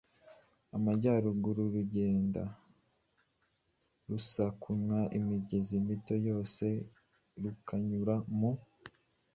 Amajyaruguru. Rugenda rusakuma imigezi mito yose, rukanyura mu